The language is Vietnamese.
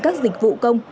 các dịch vụ công